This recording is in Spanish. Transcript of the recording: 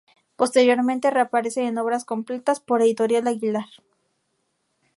Posteriormente, reaparece en "Obras completas" por editorial Aguilar.